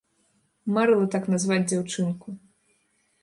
Марыла так назваць дзяўчынку.